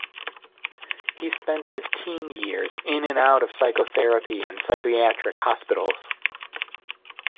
He spent his teen years in and out of psychotherapy and psychiatric hospitals.